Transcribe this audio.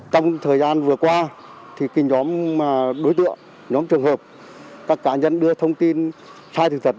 trong thời gian vừa qua thì nhóm đối tượng nhóm trường hợp các cá nhân đưa thông tin sai sự thật